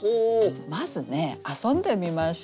まずね遊んでみましょう。